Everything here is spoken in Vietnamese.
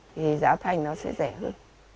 thì giá thành nó sẽ rẻ hơn